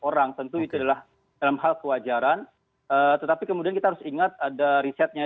orang tentu itu adalah dalam hal kewajaran tetapi kemudian kita harus ingat ada risetnya